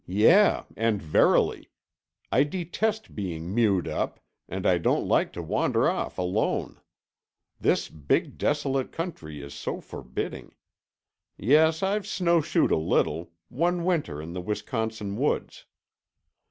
Yea, and verily. I detest being mewed up, and I don't like to wander off alone. This big desolate country is so forbidding. Yes, I've snowshoed a little—one winter in the Wisconsin woods."